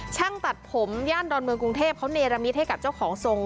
ช่างตัดผมย่านดอนเมืองกรุงเทพเขาเนรมิตให้กับเจ้าของทรง